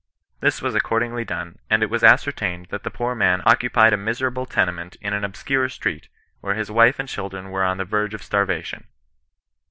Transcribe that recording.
This was accordingly done, and it was ascertained that the poor man occupied a miserable tenement in an obscure street, where his wife and children were on the verge of starvation.